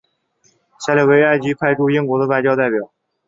下列为埃及派驻英国的外交代表。